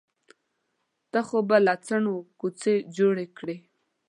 ته خو به له څڼو کوڅۍ جوړې کړې.